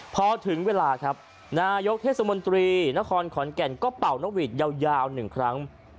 พอถึงเวลาครับนายกเทศมนตรีนครขอนแก่นก็เป่านกหวีดยาว๑ครั้ง